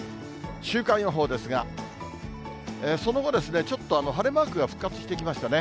週間予報ですが、その後ですね、ちょっと晴れマークが復活してきましたね。